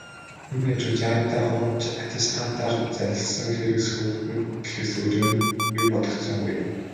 Түүний хажууд "яая даа, хуурамч аттестатаар залилсан хэрэг сөхөгдөнө" гэхээс өөр юм ер бодогдсонгүй.